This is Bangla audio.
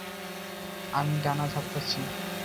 আমি ডানা ঝাপটাচ্ছি।